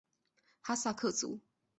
哈萨克族。